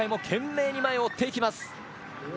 懸命に前を追っていきます。